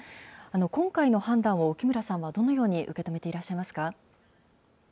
今回の判断を浮村さんはどのように受け止めていらっしゃいますか。